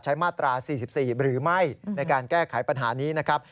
มาตรา๔๔หรือไม่ในการแก้ไขปัญหานี้นะครับ